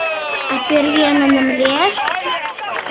А пӧръеҥыным лиеш?